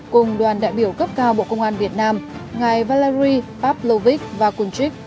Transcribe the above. cùng đoàn đại biểu cấp cao bộ công an việt nam ngài valllari pavlovich vakunchik